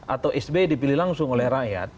atau sby dipilih langsung oleh rakyat